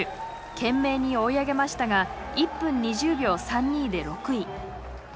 懸命に追い上げましたが１分２０秒３２で６位。